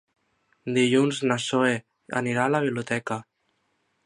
Dilluns na Zoè anirà a la biblioteca.